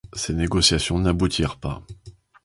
Ces négociations n'aboutirent pas.